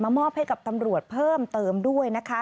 มอบให้กับตำรวจเพิ่มเติมด้วยนะคะ